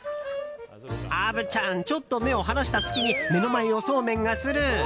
虻ちゃんちょっと目を離した隙に目の前をそうめんがスルー。